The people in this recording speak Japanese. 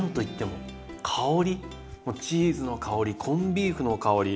もうチーズの香りコンビーフの香り。